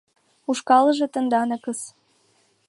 Ушкалже тенданакыс.